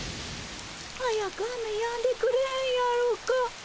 早く雨やんでくれへんやろか。